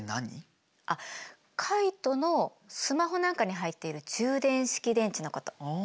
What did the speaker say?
あっカイトのスマホなんかに入っている充電式電池のこと。